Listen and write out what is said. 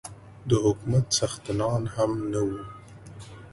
د حکومت څښتنان هم نه وو.